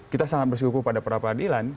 kita sangat bersyukur pada peradilan